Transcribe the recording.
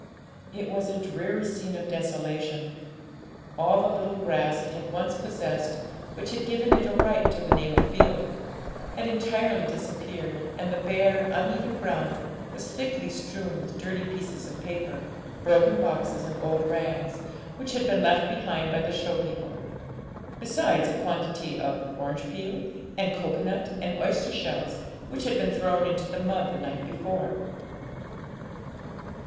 It was a dreary scene of desolation; all the little grass it had once possessed, which had given it a right to the name of field, had entirely disappeared, and the bare, uneven ground was thickly strewn with dirty pieces of paper, broken boxes, and old rags, which had been left behind by the show people; besides a quantity of orange peel and cocoa nut and oyster shells, which had been thrown into the mud the night before.